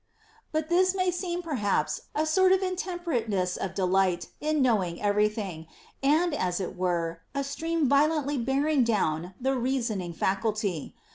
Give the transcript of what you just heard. * But this may seem perhaps a sort of intemperateness of delight in knowing every thing, and as it were a stream violently bearing down the reasoning faculty.